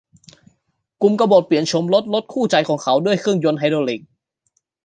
กลุ่มกบฏเปลี่ยนโฉมรถรถคู่ใจของเขาด้วยเครื่องยนต์ไฮดรอลิค